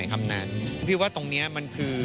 พี่ว่าความมีสปีริตของพี่แหวนเป็นตัวอย่างที่พี่จะนึกถึงเขาเสมอ